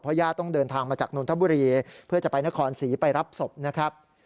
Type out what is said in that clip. ญาติต้องเดินทางมาจากนนทบุรีเพื่อจะไปนครศรีไปรับศพนะครับ